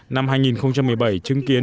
năm hai nghìn một mươi bảy chứng kiến